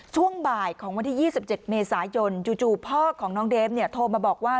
ช่วงบ่ายของวันที่๒๗เมษายนจู่พ่อของน้องเดฟโทรมาบอกว่า